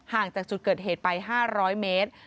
จากจุดเกิดเหตุไป๕๐๐เมตร